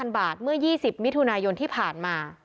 ๐บาทเมื่อ๒๐มิถุนายนที่ผ่านมา